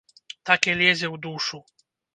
Так і лезе ў душу.